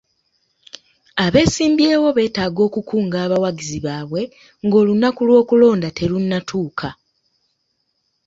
Abeesimbyewo beetaaga okukunga abawagizi baabwe ng'olunaku lw'okulonda terunnatuuka.